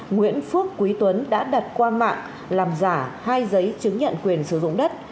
nguyễn phước quý tuấn đã đặt qua mạng làm giả hai giấy chứng nhận quyền sử dụng đất